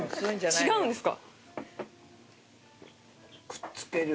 違うんですか？